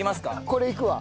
これいくわ。